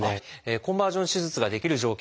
コンバージョン手術ができる条件